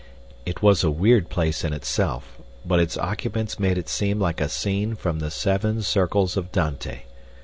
It was a weird place in itself, but its occupants made it seem like a scene from the Seven Circles of Dante.